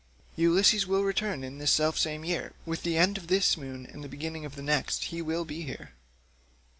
Ulysses will return in this self same year; with the end of this moon and the beginning of the next he will be here."